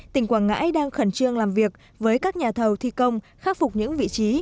tỉnh quảng ngãi đang khẩn trương làm việc với các nhà thầu thi công khắc phục những vị trí